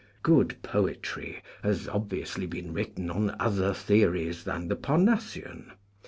Good poetry has obviously been written on other theories than the Parnassian.